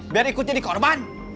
biar ikut jadi korban